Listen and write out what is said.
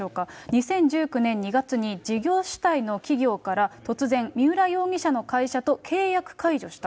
２０１９年２月に、事業主体の企業から突然、三浦容疑者の会社と契約解除した。